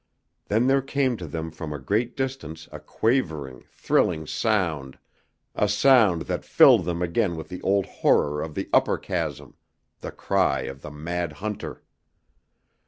Then there came to them from a great distance a quavering, thrilling sound, a sound that filled them again with the old horror of the upper chasm the cry of the mad hunter.